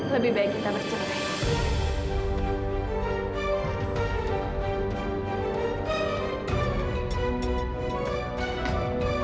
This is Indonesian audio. lebih baik kita bercerai